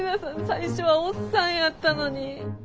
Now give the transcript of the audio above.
最初はおっさんやったのに。